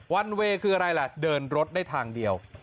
วันเวย์คืออะไรล่ะเดินรถได้ทางเดียว